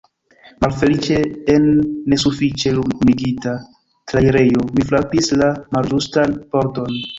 Malfeliĉe en nesufiĉe lumigita trairejo mi frapis la malĝustan pordon.